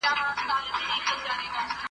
زه مي د زلمیو شپو توبه یمه ماتېږمه ,